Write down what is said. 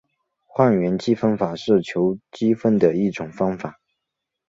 换元积分法是求积分的一种方法。